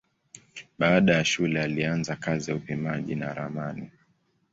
Baada ya shule alianza kazi ya upimaji na ramani.